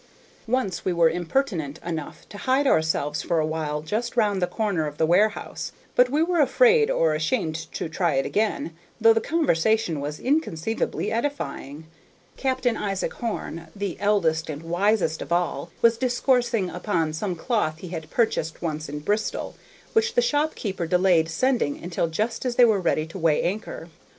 Once we were impertinent enough to hide ourselves for a while just round the corner of the warehouse, but we were afraid or ashamed to try it again, though the conversation was inconceivably edifying. Captain Isaac Horn, the eldest and wisest of all, was discoursing upon some cloth he had purchased once in Bristol, which the shopkeeper delayed sending until just as they were ready to weigh anchor.